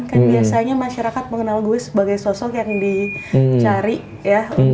kan biasanya masyarakat mengenal gue sebagai sosok yang dicari ya